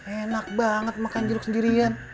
enak banget makan jeruk sendirian